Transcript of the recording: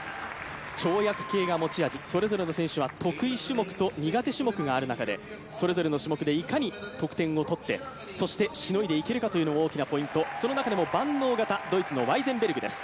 跳躍系が持ち味、それぞれの選手は得意種目と苦手種目がある中でそれぞれの種目でいかに得点を取って得点を取ってしのいでいけるかというのが大きなポイント、その中でも万能型ドイツのワイゼンベルグです。